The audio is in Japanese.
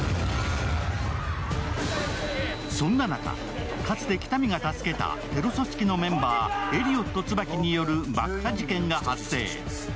そんな中、かつて喜多見が助けたテロ組織のメンバー、エリオット椿による爆破事件が発生。